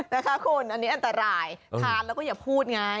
นะคะคุณอันนี้อันตรายทานแล้วก็อย่าพูดไง